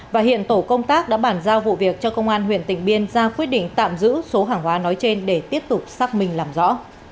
và hiện tổ công tác đã bản giao vụ việc cho công an huyện tịnh biên ra quyết định tạm giữ số hàng hóa nói trên để tiếp tục xác minh làm rõ